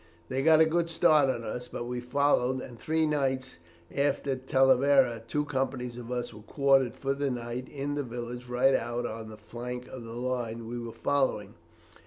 "They got a good start of us, but we followed, and three nights after Talavera two companies of us were quartered for the night in the village right out on the flank of the line we were following.